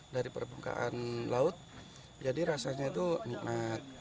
jadi perbukaan laut jadi rasanya itu nikmat